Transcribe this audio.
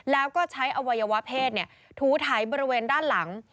แล้วก็ใช้อวัยวะเพศถูไถบริเวณด้านหลัง